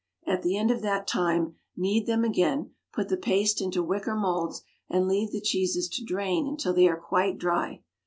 At the end of that time knead them again, put the paste into wicker moulds, and leave the cheeses to drain until they are quite dry.